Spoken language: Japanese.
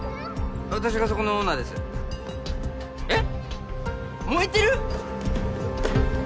私がそこのオーナーですえっ燃えてる？